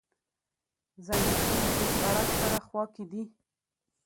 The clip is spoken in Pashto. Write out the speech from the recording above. ځنډيخيل دوچ غړک سره خواکی دي